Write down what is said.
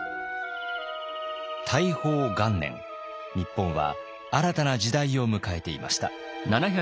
日本は新たな時代を迎えていました。